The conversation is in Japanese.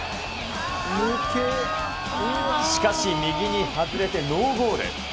しかし、右に外れてノーゴール。